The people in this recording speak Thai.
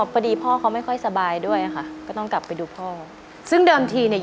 พอดีพ่อเขาไม่ค่อยสบายด้วยค่ะก็ต้องกลับไปดูพ่อซึ่งเดิมทีเนี่ย